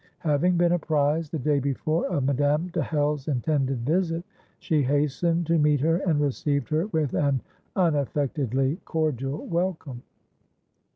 Having been apprised, the day before, of Madame de Hell's intended visit, she hastened to meet her, and received her with an unaffectedly cordial welcome.